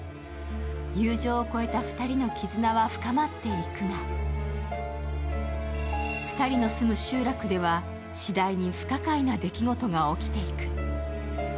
友情を越えた２人の絆は深まっていくが２人の住む集落ではしだいに不可解な出来事が起きていく。